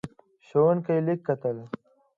ښوونکی لیک کتل.